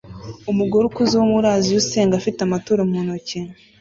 Umugore ukuze wo muri Aziya usenga afite amaturo mu ntoki